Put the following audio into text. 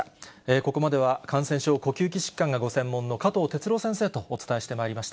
ここまでは感染症呼吸器疾患がご専門の加藤哲朗先生とお伝えしてまいりました。